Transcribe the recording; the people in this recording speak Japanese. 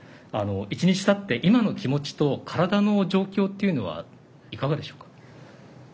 １日たって今の気持ちと体の状況というのはいかがでしょうか？